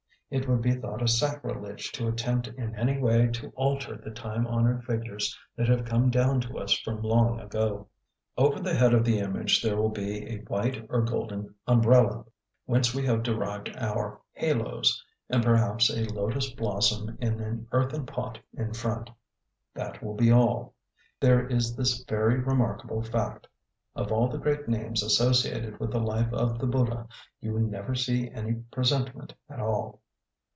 It would be thought a sacrilege to attempt in any way to alter the time honoured figures that have come down to us from long ago. Over the head of the image there will be a white or golden umbrella, whence we have derived our haloes, and perhaps a lotus blossom in an earthen pot in front. That will be all. There is this very remarkable fact: of all the great names associated with the life of the Buddha, you never see any presentment at all.